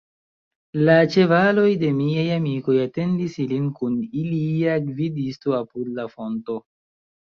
La ĉevaloj de miaj amikoj atendis ilin kun ilia gvidisto apud la fonto.